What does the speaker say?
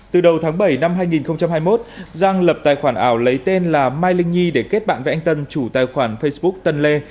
từ đầu tháng bảy năm hai nghìn hai mươi một giang lập tài khoản ảo lấy tên là mai linh nhi để kết bạn với anh tân chủ tài khoản facebook tân lê